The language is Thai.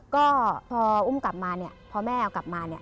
ก็พออุ้มกลับมาเนี่ยพอแม่เอากลับมาเนี่ย